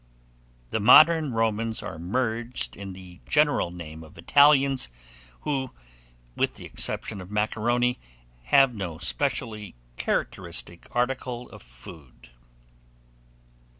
The modern Romans are merged in the general name of Italians, who, with the exception of macaroni, have no specially characteristic article of food.